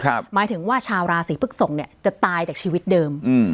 หมายถึงว่าชาวราศีพฤกษกเนี่ยจะตายจากชีวิตเดิมอืม